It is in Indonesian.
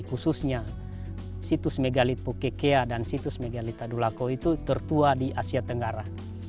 khususnya situs megalith poquequea dan situs megalith adulaco itu tertua di asia tenggara